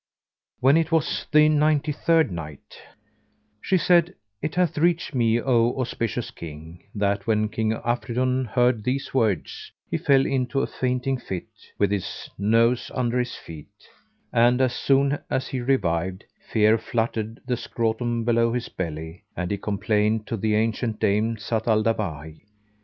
When it was the Ninety third Night, She said, It hath reached me, O auspicious King, that when King Afridun heard these words, he fell into a fainting fit with his nose under his feet; and, as soon as he revived, fear fluttered the scrotum[FN#408] below his belly and he complained to the ancient dame, Zat al Dawahi.